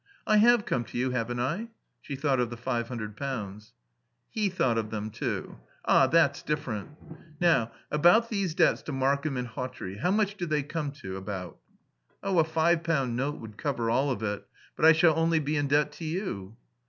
"I have come to you, haven't I?" She thought of the five hundred pounds. He thought of them too. "Ah, that's different. Now, about these debts to Markham and Hawtrey. How much do they come to about?" "Oh, a five pound note would cover all of it. But I shall only be in debt to you."